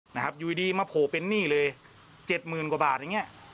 นะครับอยู่ดีมาโผล่เป็นหนี้เลย๗๐๐๐๐กว่าบาทอย่างนี้